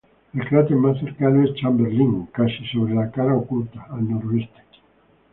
El cráter más cercano es Chamberlin, casi sobre la cara oculta, al noreste.